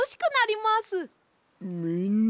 みんな。